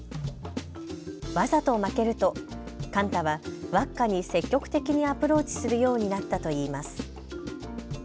わざと負けるとカンタはワッカに積極的にアプローチするようになったといいます。